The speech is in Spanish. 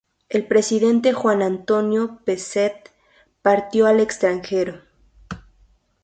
El presidente Juan Antonio Pezet partió al extranjero.